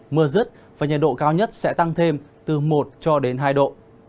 mưa rứt và nhiệt độ cao nhất sẽ tăng thêm từ một cho đến hai độ